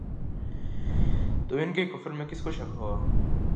تو ان کے کفر میں کس کو شک ہوگا